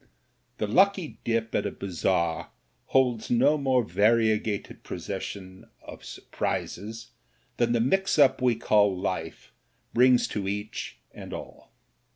The lucky dip at a bazaar holds no more variegated procession of surprises than the mix up we call life brings to each and all.